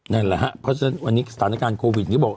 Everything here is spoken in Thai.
นั่นแหละฮะเพราะฉะนั้นวันนี้สถานการณ์โควิดนี้บอก